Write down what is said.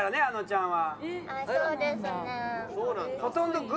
あのちゃんは。